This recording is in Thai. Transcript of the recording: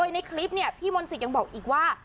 ในคลิปเนี่ยพี่มณศิษย์ยังบอกอีกว่า